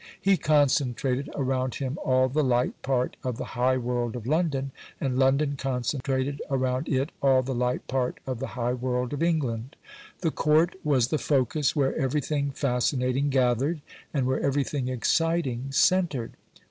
He concentrated around him all the light part of the high world of London, and London concentrated around it all the light part of the high world of England. The Court was the focus where everything fascinating gathered, and where everything exciting centred.